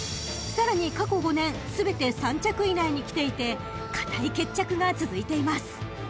［さらに過去５年全て３着以内にきていて堅い決着が続いています］